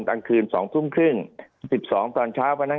ภารกิจสรรค์ภารกิจสรรค์